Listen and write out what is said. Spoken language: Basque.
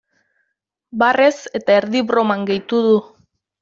Barrez eta erdi broman gehitu du.